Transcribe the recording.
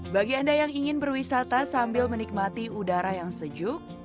bagi anda yang ingin berwisata sambil menikmati udara yang sejuk